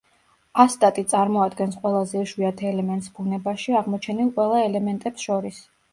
ასტატი წარმოადგენს ყველაზე იშვიათ ელემენტს ბუნებაში აღმოჩენილ ყველა ელემენტებს შორის.